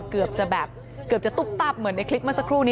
เกือบจะแบบเกือบจะตุ๊บตับเหมือนในคลิปเมื่อสักครู่นี้